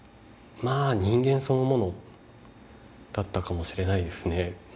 まぁ人間そのものだったかもしれないですね。